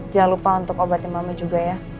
jangan lupa untuk obatnya mama juga ya